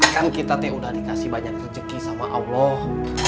kan kita tuh udah dikasih banyak rezeki sama allah